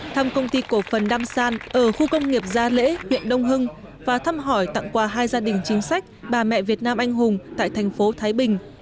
thăm công ty cổ phần đam san ở khu công nghiệp gia lễ huyện đông hưng và thăm hỏi tặng quà hai gia đình chính sách bà mẹ việt nam anh hùng tại thành phố thái bình